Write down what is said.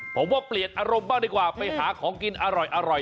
ผมว่าเปลี่ยนอารมณ์บ้างดีกว่าไปหาของกินอร่อย